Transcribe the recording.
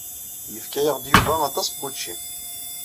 Yefka-yaɣ-d Yuba aṭas n wučči.